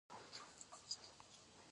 د پښتنو په کلتور کې د مسواک وهل ثواب دی.